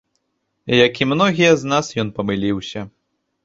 Як і многія з нас, ён памыліўся.